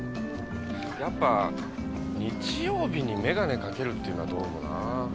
やっぱ日曜日に眼鏡かけるっていうのはどうもなぁ。